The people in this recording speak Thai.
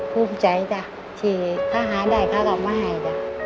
ภูมิใจจ้ะที่ถ้าหาได้เขาก็มาให้จ้ะ